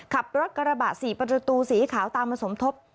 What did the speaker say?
ขับรถกระบะ๔ประตูสีขาวตามมาสมทบ